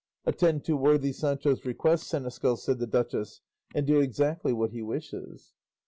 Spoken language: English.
"Attend to worthy Sancho's request, seneschal," said the duchess, "and do exactly what he wishes."